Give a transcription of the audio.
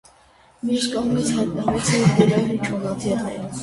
Մյուս կողմից հայտնվեցին գրոհիչ ուղղաթիռներ։